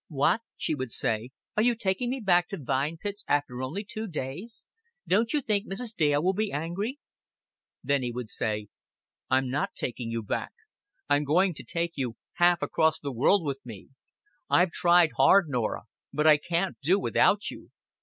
"What," she would say, "are you taking me back to Vine Pits after only two days? Don't you think Mrs. Dale will be angry?" Then he would say, "I'm not taking you back. I'm going to take you half across the world with me. I've tried hard, Norah, but I can't do without you.